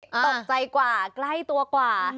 ตกใจกว่าใกล้ตัวกว่า